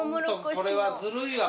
これはずるいわ。